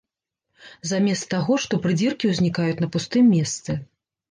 Замест таго, што прыдзіркі ўзнікаюць на пустым месцы.